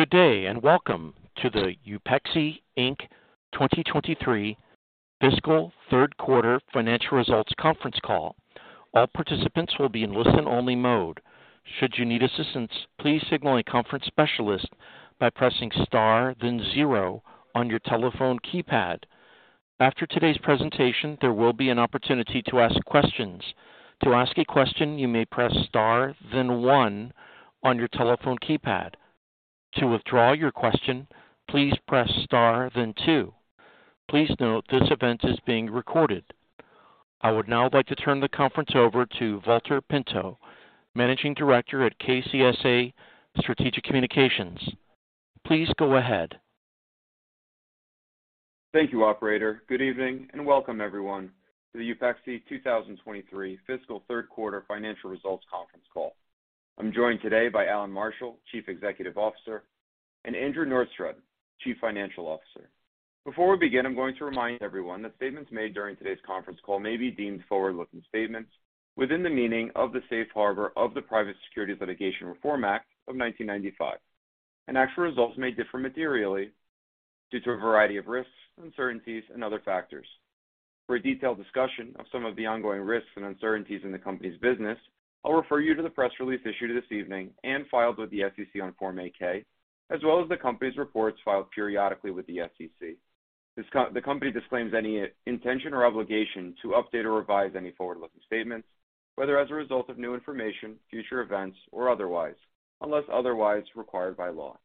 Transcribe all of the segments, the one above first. Good day. Welcome to the Upexi, Inc 2023 fiscal third quarter financial results conference call. All participants will be in listen-only mode. Should you need assistance, please signal a conference specialist by pressing star then zero on your telephone keypad. After today's presentation, there will be an opportunity to ask questions. To ask a question, you may press star then one on your telephone keypad. To withdraw your question, please press star then two. Please note this event is being recorded. I would now like to turn the conference over to Valter Pinto, Managing Director at KCSA Strategic Communications. Please go ahead. Thank you, operator. Good evening and welcome everyone to the Upexi 2023 fiscal third quarter financial results conference call. I'm joined today by Allan Marshall, Chief Executive Officer, and Andrew Norstrud, Chief Financial Officer. Before we begin, I'm going to remind everyone that statements made during today's conference call may be deemed forward-looking statements within the meaning of the safe harbor of the Private Securities Litigation Reform Act of 1995. Actual results may differ materially due to a variety of risks, uncertainties, and other factors. For a detailed discussion of some of the ongoing risks and uncertainties in the company's business, I'll refer you to the press release issued this evening and filed with the SEC on Form 8-K, as well as the company's reports filed periodically with the SEC. The company disclaims any intention or obligation to update or revise any forward-looking statements, whether as a result of new information, future events, or otherwise, unless otherwise required by law.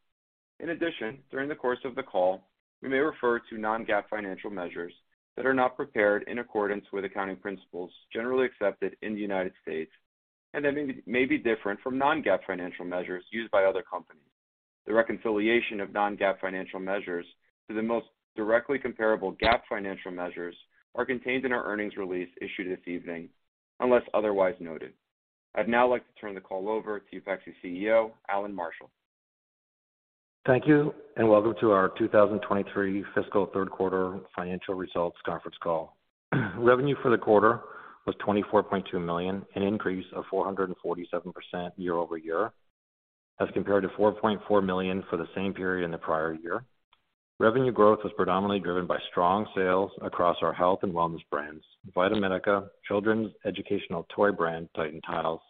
In addition, during the course of the call, we may refer to non-GAAP financial measures that are not prepared in accordance with accounting principles generally accepted in the United States and that may be different from non-GAAP financial measures used by other companies. The reconciliation of non-GAAP financial measures to the most directly comparable GAAP financial measures are contained in our earnings release issued this evening, unless otherwise noted. I'd now like to turn the call over to Upexi CEO, Allan Marshall. Thank you, welcome to our 2023 fiscal third quarter financial results conference call. Revenue for the quarter was $24.2 million, an increase of 447% year-over-year as compared to $4.4 million for the same period in the prior year. Revenue growth was predominantly driven by strong sales across our health and wellness brands, VitaMedica, Children's Educational Toy Brand, Tytan Tiles.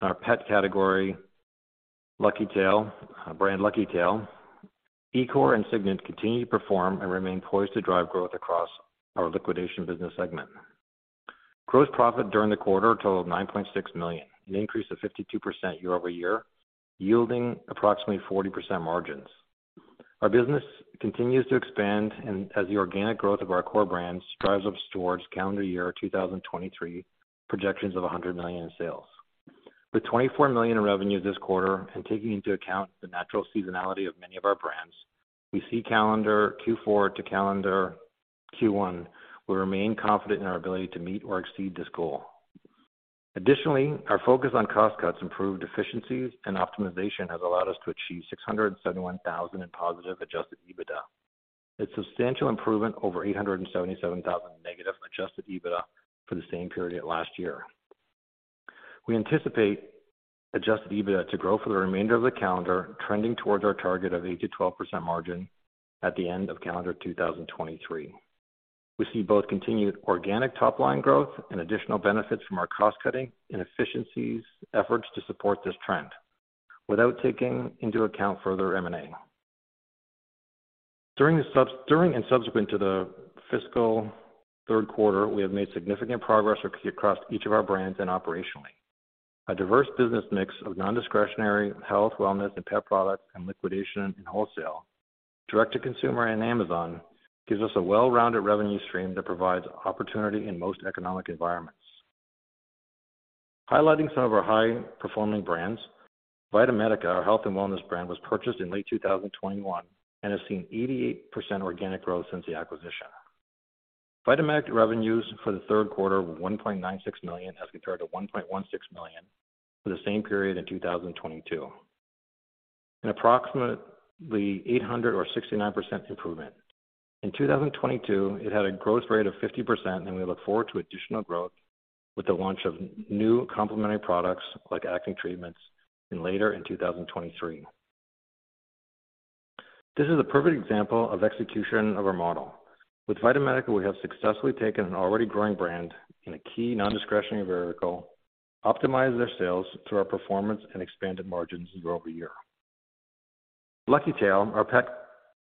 Our pet category, brand LuckyTail, E-Core and Cygnet continue to perform and remain poised to drive growth across our liquidation business segment. Gross profit during the quarter totaled $9.6 million, an increase of 52% year-over-year, yielding approximately 40% margins. Our business continues to expand as the organic growth of our core brands drives up storage calendar year 2023 projections of $100 million in sales. With $24 million in revenue this quarter and taking into account the natural seasonality of many of our brands, we see calendar Q4 to calendar Q1. We remain confident in our ability to meet or exceed this goal. Additionally, our focus on cost cuts, improved efficiencies, and optimization has allowed us to achieve $671,000 in positive adjusted EBITDA. It's substantial improvement over -$877,000 negative adjusted EBITDA for the same period last year. We anticipate adjusted EBITDA to grow for the remainder of the calendar, trending towards our target of 8%-12% margin at the end of calendar 2023. We see both continued organic top-line growth and additional benefits from our cost-cutting and efficiencies efforts to support this trend without taking into account further M&A. During and subsequent to the fiscal third quarter, we have made significant progress across each of our brands and operationally. A diverse business mix of non-discretionary health, wellness, and pet products and liquidation and wholesale. Direct-to-consumer and Amazon gives us a well-rounded revenue stream that provides opportunity in most economic environments. Highlighting some of our high-performing brands, VitaMedica, our health and wellness brand, was purchased in late 2021 and has seen 88% organic growth since the acquisition. VitaMedica revenues for the third quarter were $1.96 million as compared to $1.16 million for the same period in 2022, an approximately 800% or 69% improvement. In 2022, it had a growth rate of 50%, and we look forward to additional growth with the launch of new complementary products like acne treatments later in 2023. This is a perfect example of execution of our model. With VitaMedica, we have successfully taken an already growing brand in a key non-discretionary vertical, optimized their sales through our performance and expanded margins year-over-year. LuckyTail, our pet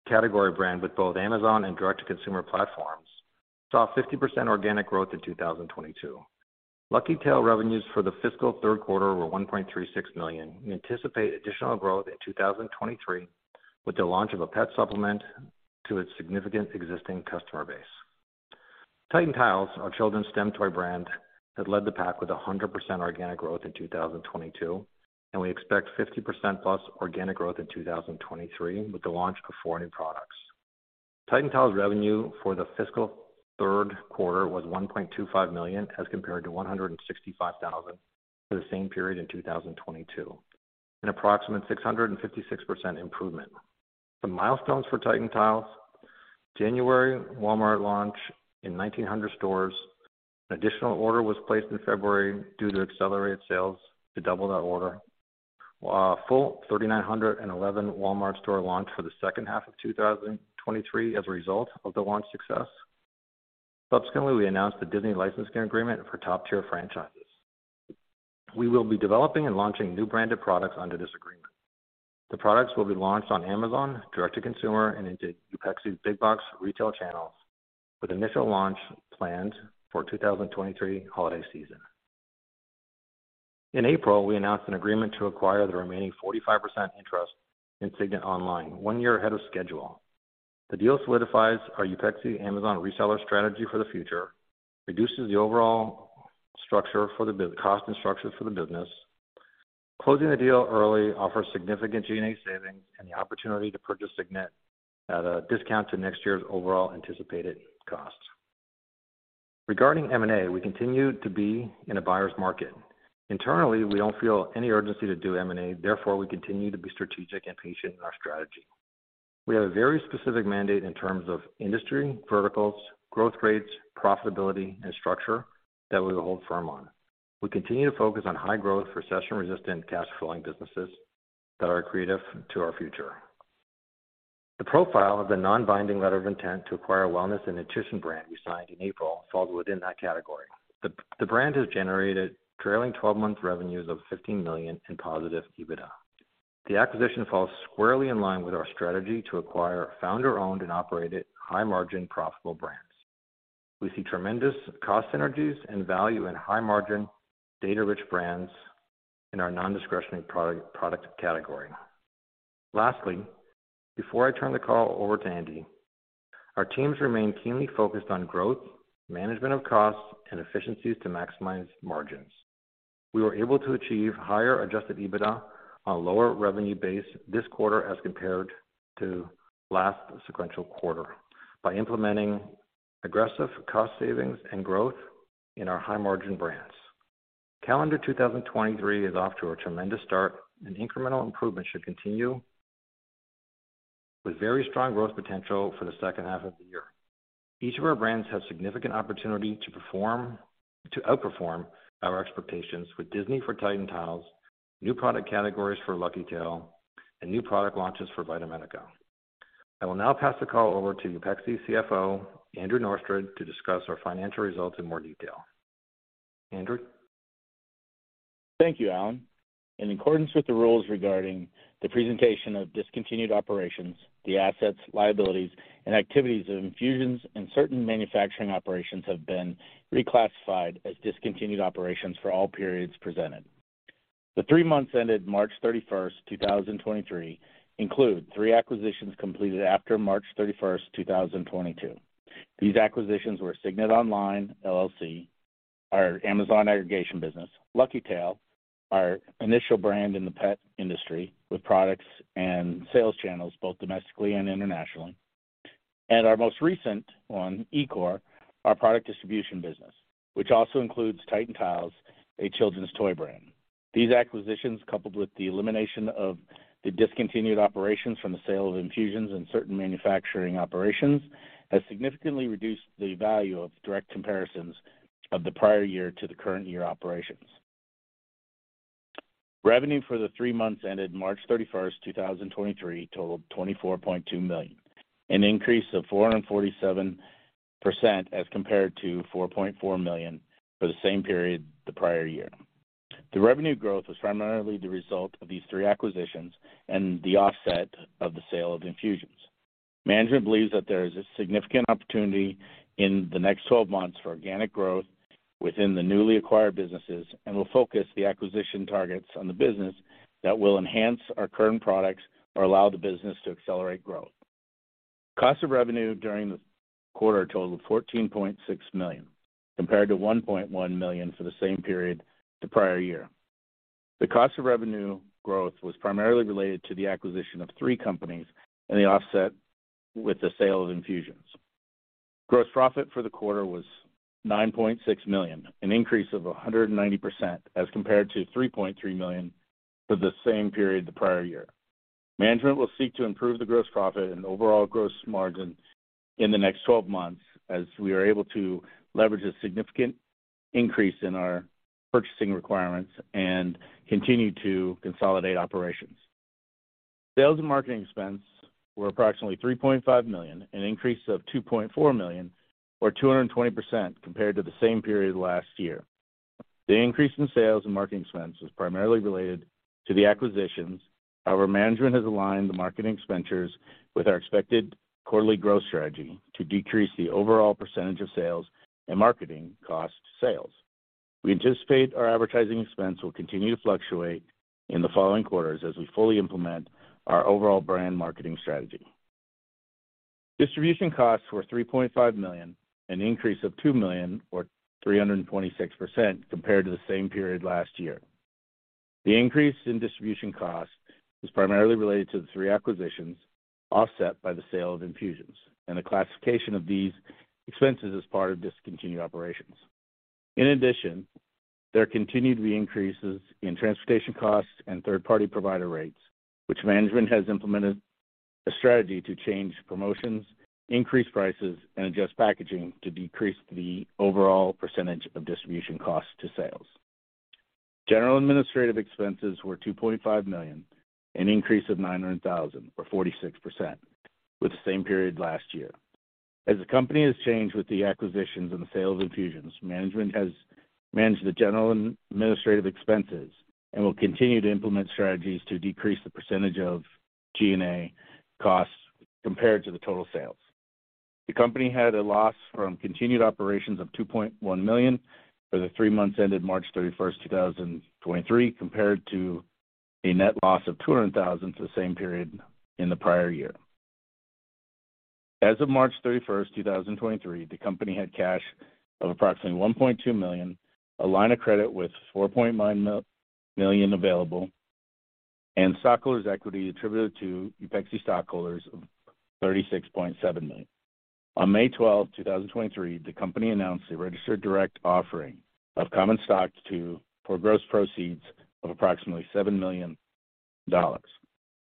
category brand with both Amazon and direct-to-consumer platforms, saw 50% organic growth in 2022. LuckyTail revenues for the fiscal third quarter were $1.36 million. We anticipate additional growth in 2023 with the launch of a pet supplement to its significant existing customer base. Tytan Tiles, our children's STEM toy brand, had led the pack with 100% organic growth in 2022. We expect 50%+ organic growth in 2023 with the launch of four new products. Tytan Tiles revenue for the fiscal third quarter was $1.25 million as compared to $165,000 for the same period in 2022, an approximate 656% improvement. Some milestones for Tytan Tiles. January Walmart launch in 1,900 stores. An additional order was placed in February due to accelerated sales to double that order. A full 3,911 Walmart store launch for the second half of 2023 as a result of the launch success. Subsequently, we announced the Disney licensing agreement for top-tier franchises. We will be developing and launching new branded products under this agreement. The products will be launched on Amazon, direct-to-consumer, and into Upexi's big box retail channels, with initial launch planned for 2023 holiday season. In April, we announced an agreement to acquire the remaining 45% interest in Cygnet Online one year ahead of schedule. The deal solidifies our Upexi Amazon reseller strategy for the future, reduces the overall cost and structure for the business. Closing the deal early offers significant G&A savings and the opportunity to purchase Cygnet at a discount to next year's overall anticipated costs. Regarding M&A, we continue to be in a buyer's market. Internally, we don't feel any urgency to do M&A, therefore, we continue to be strategic and patient in our strategy. We have a very specific mandate in terms of industry, verticals, growth rates, profitability, and structure that we will hold firm on. We continue to focus on high growth, recession-resistant, cash-flowing businesses that are accretive to our future. The profile of the non-binding letter of intent to acquire a wellness and nutrition brand we signed in April falls within that category. The brand has generated trailing 12 months revenues of $15 million and positive EBITDA. The acquisition falls squarely in line with our strategy to acquire founder-owned and operated high margin profitable brands. We see tremendous cost synergies and value in high margin data-rich brands in our non-discretionary product category. Lastly, before I turn the call over to Andy, our teams remain keenly focused on growth, management of costs, and efficiencies to maximize margins. We were able to achieve higher adjusted EBITDA on lower revenue base this quarter as compared to last sequential quarter by implementing aggressive cost savings and growth in our high margin brands. Calendar 2023 is off to a tremendous start. Incremental improvement should continue with very strong growth potential for the second half of the year. Each of our brands have significant opportunity to outperform our expectations with Disney for Tytan Tiles, new product categories for LuckyTail, and new product launches for VitaMedica. I will now pass the call over to Upexi CFO, Andrew Norstrud, to discuss our financial results in more detail. Andrew. Thank you, Allan. In accordance with the rules regarding the presentation of discontinued operations, the assets, liabilities, and activities of Infusionz and certain manufacturing operations have been reclassified as discontinued operations for all periods presented. The three months ended March 31st, 2023 include 3 acquisitions completed after March 31st, 2022. These acquisitions were Cygnet Online, LLC, our Amazon aggregation business, LuckyTail, our initial brand in the pet industry with products and sales channels both domestically and internationally, and our most recent one, E-Core, our product distribution business, which also includes Tytan Tiles, a children's toy brand. These acquisitions, coupled with the elimination of the discontinued operations from the sale of Infusionz and certain manufacturing operations, has significantly reduced the value of direct comparisons of the prior year to the current year operations. Revenue for the three months ended March 31st, 2023 totaled $24.2 million, an increase of 447% as compared to $4.4 million for the same period the prior year. The revenue growth was primarily the result of these three acquisitions and the offset of the sale of Infusionz. Management believes that there is a significant opportunity in the next 12 months for organic growth within the newly acquired businesses and will focus the acquisition targets on the business that will enhance our current products or allow the business to accelerate growth. Cost of revenue during the quarter totaled $14.6 million, compared to $1.1 million for the same period the prior year. The cost of revenue growth was primarily related to the acquisition of three companies and the offset with the sale of Infusionz. Gross profit for the quarter was $9.6 million, an increase of 190% as compared to $3.3 million for the same period the prior year. Management will seek to improve the gross profit and overall gross margin in the next 12 months as we are able to leverage a significant increase in our purchasing requirements and continue to consolidate operations. Sales and marketing expense were approximately $3.5 million, an increase of $2.4 million or 220% compared to the same period last year. The increase in sales and marketing expense was primarily related to the acquisitions. However, management has aligned the marketing expenditures with our expected quarterly growth strategy to decrease the overall percentage of sales and marketing cost sales. We anticipate our advertising expense will continue to fluctuate in the following quarters as we fully implement our overall brand marketing strategy. Distribution costs were $3.5 million, an increase of $2 million or 326% compared to the same period last year. The increase in distribution cost was primarily related to the three acquisitions, offset by the sale of Infusionz and the classification of these expenses as part of discontinued operations. There continued to be increases in transportation costs and third-party provider rates, which management has implemented a strategy to change promotions, increase prices, and adjust packaging to decrease the overall % of distribution costs to sales. General administrative expenses were $2.5 million, an increase of $900,000 or 46% with the same period last year. As the company has changed with the acquisitions and the sale of Infusionz, management has managed the general and administrative expenses and will continue to implement strategies to decrease the percentage of G&A costs compared to the total sales. The company had a loss from continued operations of $2.1 million for the three months ended March 31, 2023, compared to a net loss of $200,000 for the same period in the prior year. As of March 31, 2023, the company had cash of approximately $1.2 million, a line of credit with $4.9 million available, and stockholders equity attributed to Upexi stockholders of $36.7 million. On May 12th, 2023, the company announced a registered direct offering of common stock for gross proceeds of approximately $7 million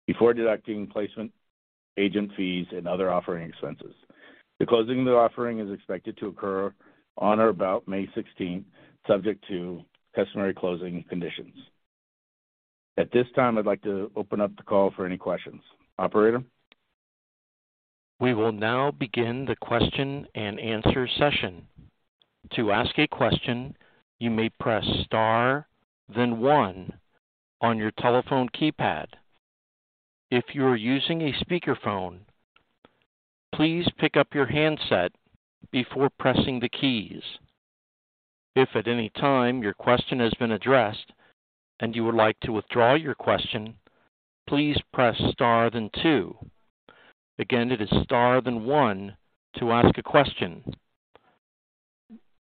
before deducting placement agent fees and other offering expenses. The closing of the offering is expected to occur on or about May 16th, subject to customary closing conditions. At this time, I'd like to open up the call for any questions. Operator? We will now begin the question and answer session. To ask a question, you may press star then one on your telephone keypad. If you are using a speakerphone, please pick up your handset before pressing the keys. If at any time your question has been addressed and you would like to withdraw your question, please press star then two. Again, it is star then one to ask a question.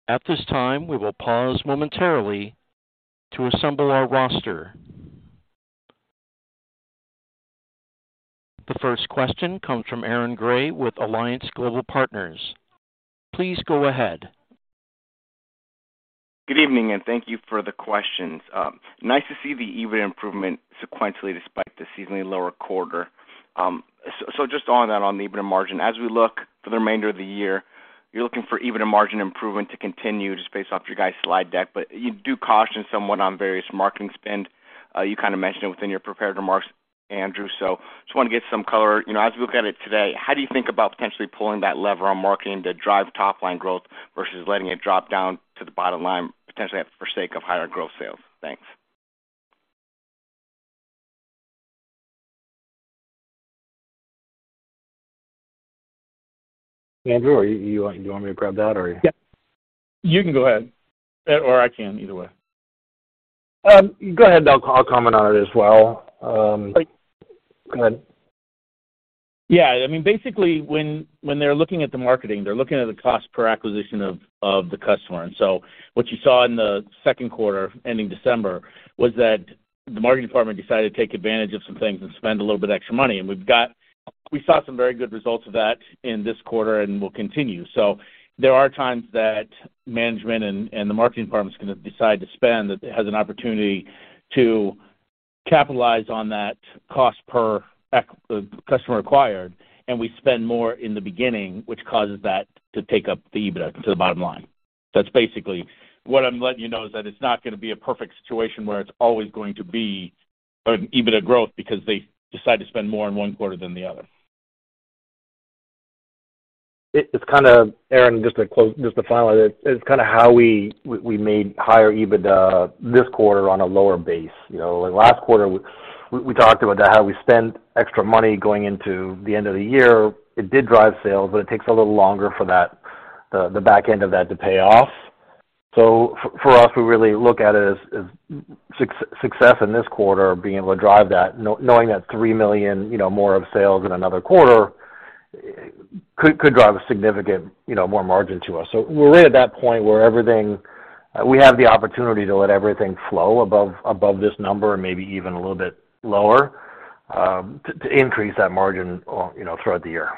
At this time, we will pause momentarily to assemble our roster. The first question comes from Aaron Grey with Alliance Global Partners. Please go ahead. Good evening, and thank you for the questions. Nice to see the EBIT improvement sequentially despite the seasonally lower quarter. Just on that, on the EBIT margin, as we look for the remainder of the year, you're looking for EBIT and margin improvement to continue just based off your guys' slide deck. You do caution somewhat on various marketing spend. You kind of mentioned it within your prepared remarks, Andrew. Just want to get some color. You know, as we look at it today, how do you think about potentially pulling that lever on marketing to drive top line growth versus letting it drop down to the bottom line, potentially at the forsake of higher growth sales? Thanks. Andrew, you want me to grab that or you? You can go ahead or I can. Either way. Go ahead. I'll comment on it as well. Go ahead. I mean, basically when they're looking at the marketing, they're looking at the cost per acquisition of the customer. What you saw in the second quarter ending December was that the marketing department decided to take advantage of some things and spend a little bit extra money. We saw some very good results of that in this quarter and will continue. There are times that management and the marketing department's gonna decide to spend, that it has an opportunity to capitalize on that cost per the customer acquired, and we spend more in the beginning, which causes that to take up the EBIT to the bottom line. That's basically what I'm letting you know is that it's not gonna be a perfect situation where it's always going to be an EBIT growth because they decide to spend more in one quarter than the other. It's kind of Aaron, just to close, just to follow that, it's kind of how we made higher EBIT this quarter on a lower base. You know, last quarter we talked about that, how we spent extra money going into the end of the year. It did drive sales, but it takes a little longer for that, the back end of that to pay off. For us, we really look at it as success in this quarter being able to drive that knowing that $3 million, you know, more of sales in another quarter could drive a significant, you know, more margin to us. We're right at that point where everything... We have the opportunity to let everything flow above this number and maybe even a little bit lower, to increase that margin, you know, throughout the year.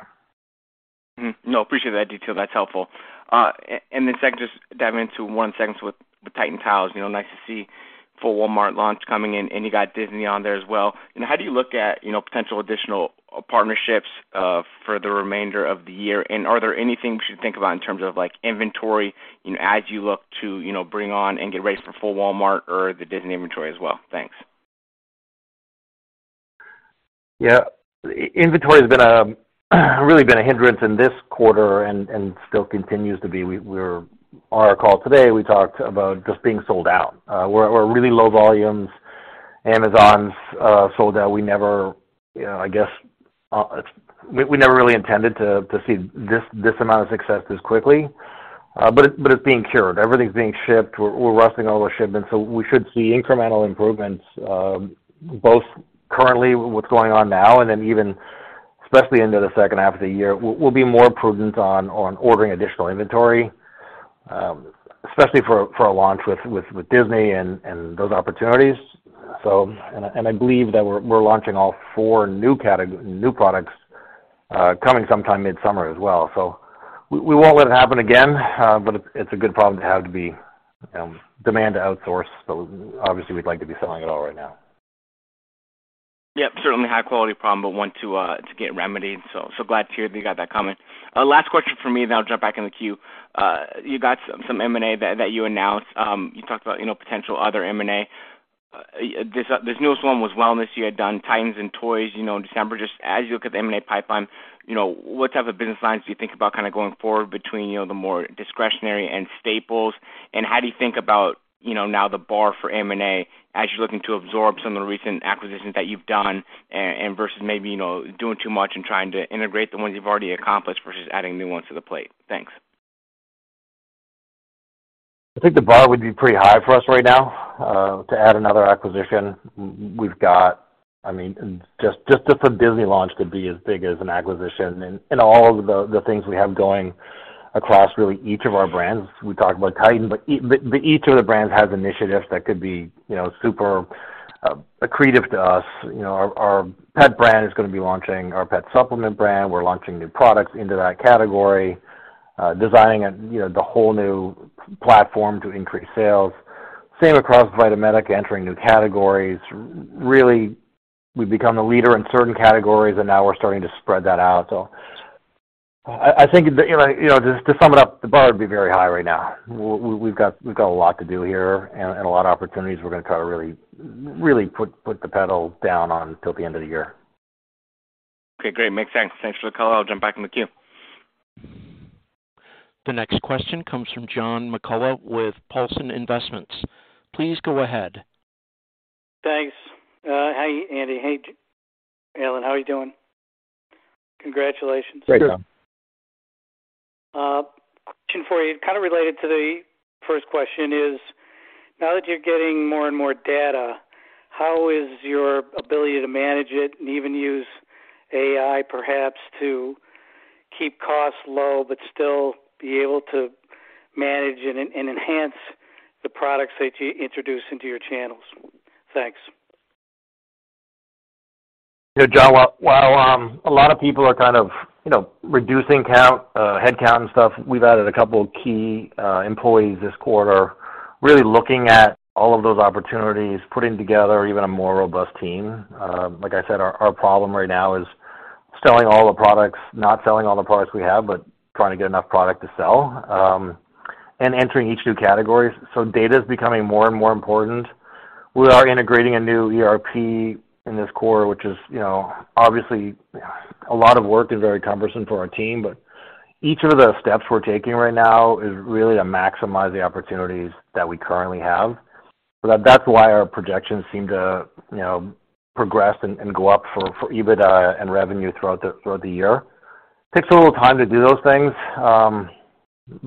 No, appreciate that detail. That's helpful. The second, just dive into one second with the Tytan Tiles. You know, nice to see full Walmart launch coming in, and you got Disney on there as well. You know, how do you look at, you know, potential additional partnerships for the remainder of the year? Are there anything we should think about in terms of, like, inventory, you know, as you look to, you know, bring on and get ready for full Walmart or the Disney inventory as well? Thanks. Yeah. Inventory has really been a hindrance in this quarter and still continues to be. On our call today, we talked about just being sold out. We're really low volumes. Amazon's sold out. We never, you know, I guess, We never really intended to see this amount of success this quickly, but it's being cured. Everything's being shipped. We're rushing all the shipments. We should see incremental improvements, both currently with what's going on now and then even especially into the second half of the year. We'll be more prudent on ordering additional inventory, especially for a launch with Disney and those opportunities. I believe that we're launching all four new products. Coming sometime midsummer as well. We won't let it happen again, but it's a good problem to have to be, you know, demand outsource. Obviously we'd like to be selling it all right now. Yep. Certainly high quality problem, but want to get remedied. Glad to hear that you got that coming. Last question for me, and I'll jump back in the queue. You got some M&A that you announced. You talked about, you know, potential other M&A. This newest one was wellness. You had done Tytan and Toys, you know, in December. Just as you look at the M&A pipeline, you know, what type of business lines do you think about kinda going forward between, you know, the more discretionary and staples? How do you think about, you know, now the bar for M&A as you're looking to absorb some of the recent acquisitions that you've done and versus maybe, you know, doing too much and trying to integrate the ones you've already accomplished versus adding new ones to the plate? Thanks. I think the bar would be pretty high for us right now, to add another acquisition. I mean, just the Disney launch could be as big as an acquisition. All of the things we have going across really each of our brands. We talked about Tytan, but each of the brands has initiatives that could be, you know, super accretive to us. Our, our pet brand is gonna be launching our pet supplement brand. We're launching new products into that category, designing a, you know, the whole new platform to increase sales. Same across VitaMedica, entering new categories. Really, we've become the leader in certain categories, and now we're starting to spread that out. I think, you know, just to sum it up, the bar would be very high right now. We've got a lot to do here and a lot of opportunities we're gonna try to really put the pedal down on till the end of the year. Okay, great. Makes sense. Thanks for the call. I'll jump back in the queue. The next question comes from John McCullough with Paulson Investments. Please go ahead. Thanks. Hey, Andy. Hey, Allan. How are you doing? Congratulations. Great, John. Question for you, kind of related to the first question, is now that you're getting more and more data, how is your ability to manage it and even use AI perhaps to keep costs low but still be able to manage and enhance the products that you introduce into your channels? Thanks. Yeah, John. While a lot of people are kind of, you know, reducing count, head count and stuff, we've added 2 key employees this quarter, really looking at all of those opportunities, putting together even a more robust team. Like I said, our problem right now is selling all the products, not selling all the products we have, but trying to get enough product to sell, and entering each new category. Data is becoming more and more important. We are integrating a new ERP in this quarter, which is, you know, obviously a lot of work and very cumbersome for our team, but each of the steps we're taking right now is really to maximize the opportunities that we currently have. That's why our projections seem to, you know, progress and go up for EBITDA and revenue throughout the year. Takes a little time to do those things,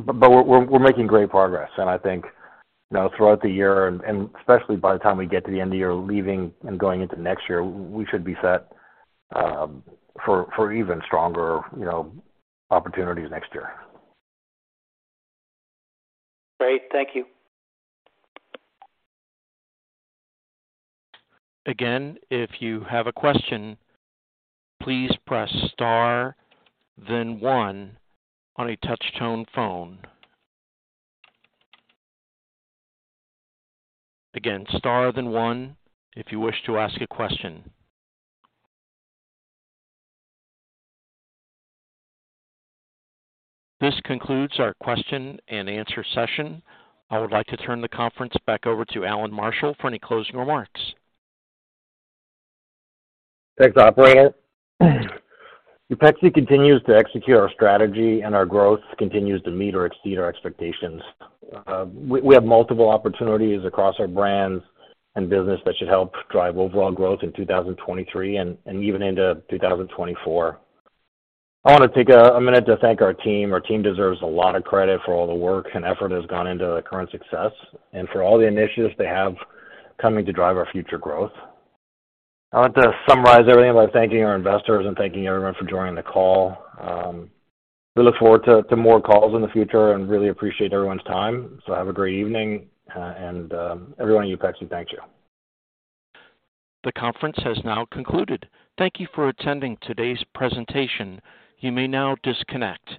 but we're making great progress. I think, you know, throughout the year and especially by the time we get to the end of the year, leaving and going into next year, we should be set for even stronger, you know, opportunities next year. Great. Thank you. Again, if you have a question, please press star then one on a touch tone phone. Again, star then one if you wish to ask a question. This concludes our question and answer session. I would like to turn the conference back over to Allan Marshall for any closing remarks. Thanks, operator. Upexi continues to execute our strategy and our growth continues to meet or exceed our expectations. We have multiple opportunities across our brands and business that should help drive overall growth in 2023 and even into 2024. I wanna take a minute to thank our team. Our team deserves a lot of credit for all the work and effort that's gone into the current success and for all the initiatives they have coming to drive our future growth. I want to summarize everything by thanking our investors and thanking everyone for joining the call. We look forward to more calls in the future and really appreciate everyone's time. Have a great evening, and everyone at Upexi thanks you. The conference has now concluded. Thank you for attending today's presentation. You may now disconnect.